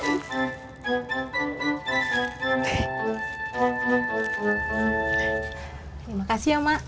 terima kasih ya mak